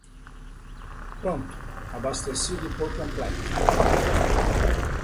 Pronto, abastecido por completo.